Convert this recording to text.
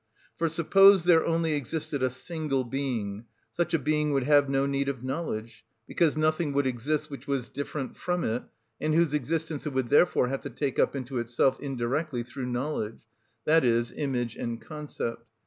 For suppose there only existed a single being, such a being would have no need of knowledge: because nothing would exist which was different from it, and whose existence it would therefore have to take up into itself indirectly through knowledge, i.e., image and concept.